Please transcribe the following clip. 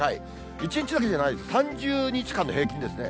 １日だけじゃないです、３０日間の平均ですね。